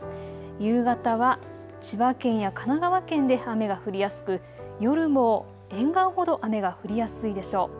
夕方は千葉県や神奈川県で雨が降りやすく夜も沿岸ほど雨が降りやすいでしょう。